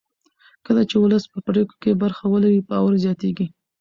کله چې ولس په پرېکړو کې برخه ولري باور زیاتېږي